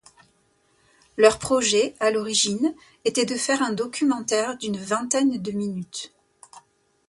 Leur projet, à l'origine, était de faire un documentaire d'une vingtaine de minutes.